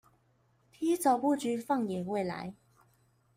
提早布局放眼未來